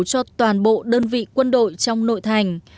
cho toàn bộ đơn vị quân đội trong nội thành